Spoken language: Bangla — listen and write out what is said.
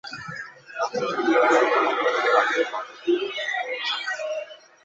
আন্তর্জাতিক ফুটবল অঙ্গনে ব্রাজিলের পক্ষে দীর্ঘদিন খেলেছেন।